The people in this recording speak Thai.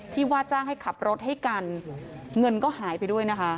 ว่าจ้างให้ขับรถให้กันเงินก็หายไปด้วยนะคะ